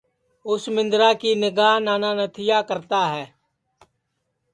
اُس مندرا کی نیگھا نانا نتھیا کرتا ہے